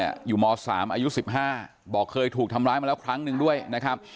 อยู่ม๓อายุ๑๕บอกเคยถูกทำร้ายมาแล้วครั้งหนึ่งด้วยนะครับ